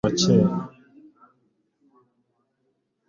Ububi bw'umusoro wa gikoloni wa kera